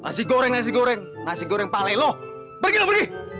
nasi goreng nasi goreng nasi goreng palelo pergilah pergi